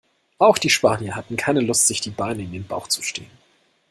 Auch die Spanier hatten keine Lust, sich die Beine in den Bauch zu stehen.